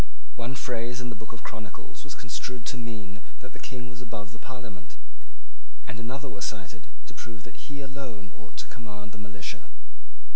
One phrase in the Book of Chronicles was construed to mean that the King was above the Parliament; and another was cited to prove that he alone ought to command the militia.